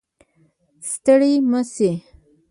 ستړی مه شې